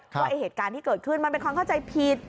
ว่าเหตุการณ์ที่เกิดขึ้นมันเป็นความเข้าใจผิด